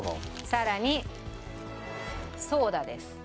さらにソーダです。